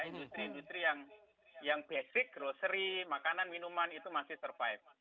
industri industri yang basic grocery makanan minuman itu masih survive